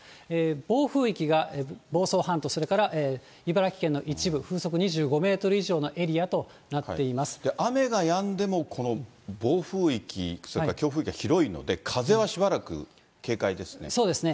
暴風域が房総半島、それから茨城県の一部、風速２５メートル以上雨がやんでも、この暴風域、それから強風域が広いので、風はしばらく、警戒ですね。